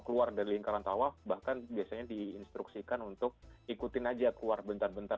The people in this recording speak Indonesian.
keluar dari lingkaran tawaf bahkan biasanya diinstruksikan untuk ikutin aja keluar bentar bentar